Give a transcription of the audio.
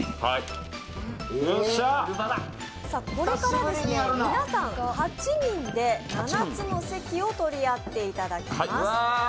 これから皆さん８人で７つの席を取り合っていただきます